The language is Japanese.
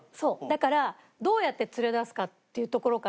だからどうやって連れ出すかっていうところから。